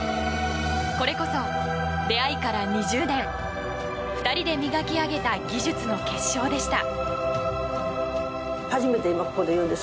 これこそ出会いから２０年２人で磨き上げた技術の結晶でした。